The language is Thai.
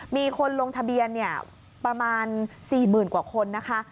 มีคนลงทะเบียนประมาณ๔๐๐๐กว่าคนนะคะ